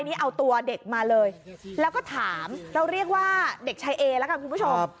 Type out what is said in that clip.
นี่เอาตัวเด็กมาเลยแล้วก็ถามเราเรียกว่าเด็กชายเอละกันคุณผู้ชม